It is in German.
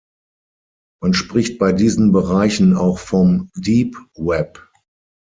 Man spricht bei diesen Bereichen auch vom „Deep Web“.